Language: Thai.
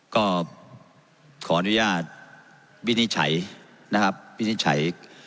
ก็ขออนุญาตวินิจฉัยนะครับวินิจฉัย